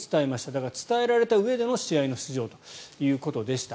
だから伝えられたうえでの試合の出場ということでした。